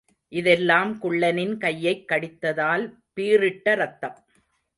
இதெல்லாம் குள்ளனின் கையைக் கடித்ததால் பீரிட்ட ரத்தம்.